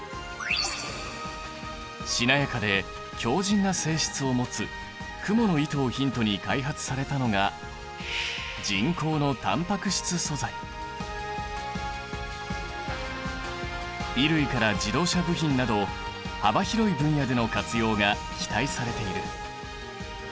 しなやかで強じんな性質を持つクモの糸をヒントに開発されたのが衣類から自動車部品など幅広い分野での活用が期待されている。